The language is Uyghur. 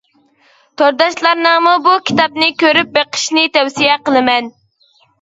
تورداشلارنىڭمۇ بۇ كىتابنى كۆرۈپ بېقىشىنى تەۋسىيە قىلىمەن.